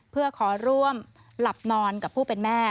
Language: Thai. เพื่อขอร่วมหลับนอนกับผู้เป็นแม่